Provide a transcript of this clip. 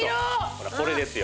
ほらこれですよ。